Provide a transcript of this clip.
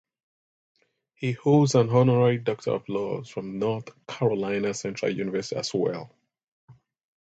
He holds an Honorary Doctor of Laws from North Carolina Central University as well.